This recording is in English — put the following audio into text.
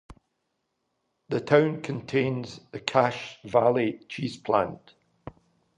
The town contains the Cache Valley Cheese plant.